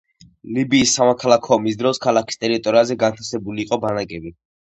ლიბიის სამოქალაქო ომის დროს ქალაქის ტერიტორიაზე განთავსებული იყო ბანაკები.